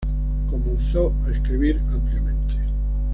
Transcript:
Comenzó a escribir ampliamente.